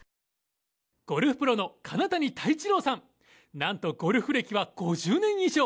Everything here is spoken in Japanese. なんとゴルフ歴は５０年以上。